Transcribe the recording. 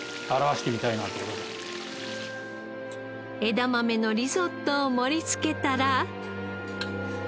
枝豆のリゾットを盛りつけたら。